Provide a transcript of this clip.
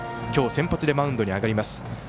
今日先発でマウンドに上がります。